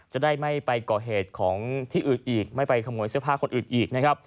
จะได้ไม่ไปก่อเหตุของที่อื่นอีกไม่ไปขโมยเสื้อผ้าคนอื่นอีกนะครับ